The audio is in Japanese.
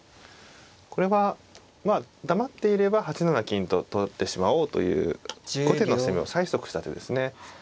これはまあ黙っていれば８七金と取ってしまおうという後手の攻めを催促した手ですね。